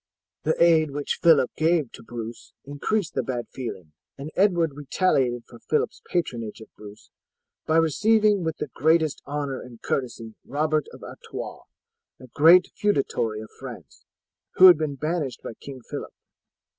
"The aid which Phillip gave to Bruce increased the bad feeling, and Edward retaliated for Phillip's patronage of Bruce by receiving with the greatest honour and courtesy Robert of Artois, a great feudatory of France, who had been banished by King Phillip.